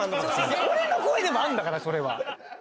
俺の声でもあるんだからそれは。